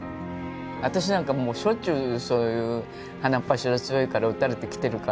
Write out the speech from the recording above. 私なんかもうしょっちゅうそういう鼻っ柱強いから打たれてきてるから。